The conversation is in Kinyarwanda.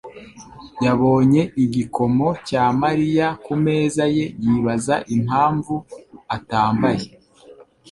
yabonye igikomo cya Mariya ku meza ye yibaza impamvu atambaye.